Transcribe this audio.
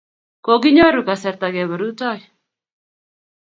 Kokinyoru kasarta kepe rutoi